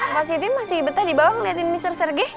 pak siti masih betah di bawah ngeliatin mister serge